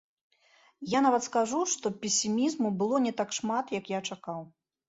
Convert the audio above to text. Я нават скажу, што песімізму было не так шмат, як я чакаў.